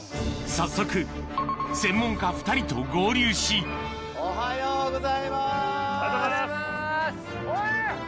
早速専門家２人と合流しおはようございます。